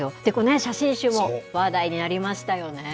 写真集も話題になりましたよね。